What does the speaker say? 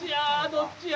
どっちや？